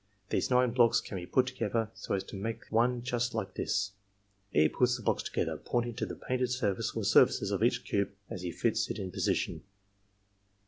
These nine blocks can be put together so as to mxike one just like this,^^ E. puts the blocks together, pointing to the painted surface or surfaces of each cube as he fits it in position.